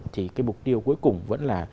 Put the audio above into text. thì cái mục tiêu cuối cùng vẫn là